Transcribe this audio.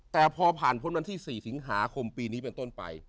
แต่พอผ่านพ้นวันที่๔สิงหาคมปีนี้เป็นต้นไป